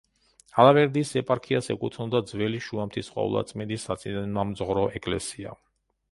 ალავერდის ეპარქიას ეკუთვნოდა: ძველი შუამთის ყოვლადწმინდის საწინამძღვრო ეკლესია.